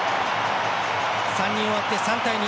３人、終わって、３対２。